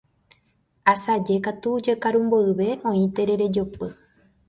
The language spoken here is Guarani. Asaje katu, jekaru mboyve, oĩ terere jopy.